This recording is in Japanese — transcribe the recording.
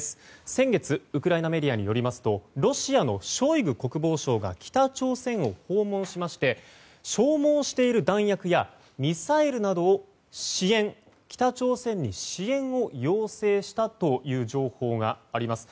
先月、ウクライナメディアによりますとロシアのショイグ国防相が北朝鮮を訪問しまして消耗している弾薬やミサイルなどを北朝鮮に支援を要請したという情報があります。